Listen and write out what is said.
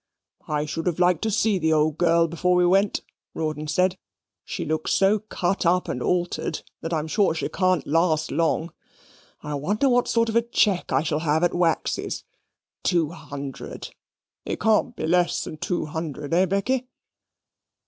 "I should have liked to see the old girl before we went," Rawdon said. "She looks so cut up and altered that I'm sure she can't last long. I wonder what sort of a cheque I shall have at Waxy's. Two hundred it can't be less than two hundred hey, Becky?"